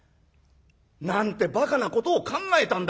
「なんてばかなことを考えたんだ。